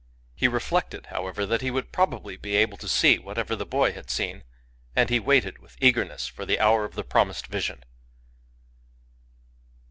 He reflected, however, that he would probably be able to see whatever the boy had seen ; and he waited with eagerness for the hour of the promised vision.